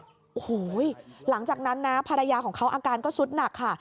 โอ้โหหลังจากนั้นนะภรรยาของเขาอาการก็สุดหนักค่ะ